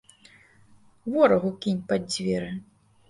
Ворагу кінь пад дзверы!